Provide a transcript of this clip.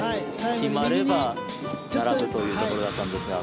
決まれば並ぶというところだったんですが。